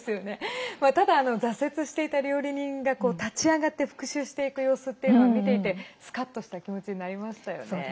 ただ、挫折していた料理人が立ち上がって復しゅうしていく様子っていうのは見ていてスカッとした気持ちになりましたよね。